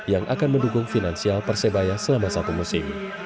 yang akan mendukung finansial persebaya selama satu musim